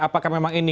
apakah memang ini